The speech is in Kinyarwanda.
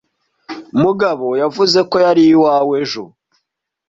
Mugabo yavuze ko yari iwawe ejo